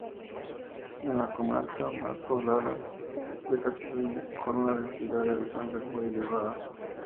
Es la comarca más poblada de Cataluña, con una densidad de habitantes muy elevada.